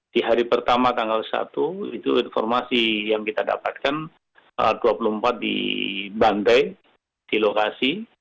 di hari pertama tanggal satu itu informasi yang kita dapatkan dua puluh empat di bandai di lokasi